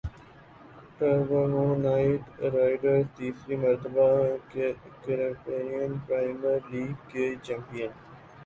Trinbago Knight riders تیسری مرتبہ Caribbean premier league کی چیمپیئن